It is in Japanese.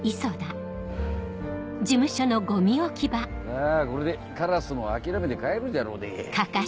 まぁこれでカラスも諦めて帰るじゃろうで。